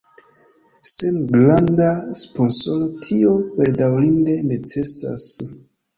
Sen granda sponsoro tio bedaŭrinde necesas.